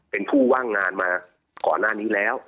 เป็นผู้ว่างงานมาก่อนหน้านี้แล้ว